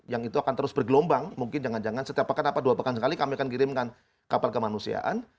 yang itu akan terus bergelombang mungkin jangan jangan setiap pekan apa dua pekan sekali kami akan kirimkan kapal kemanusiaan